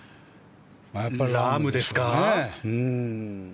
やっぱりラームですか。